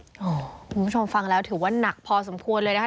คุณผู้ชมฟังแล้วถือว่าหนักพอสมควรเลยนะคะ